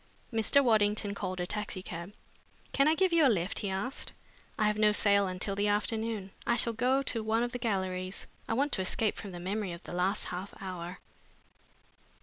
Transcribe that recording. Mr. Waddington called a taxicab. "Can I give you a lift?" he asked. "I have no sale until the afternoon. I shall go to one of the galleries. I want to escape from the memory of the last half hour!"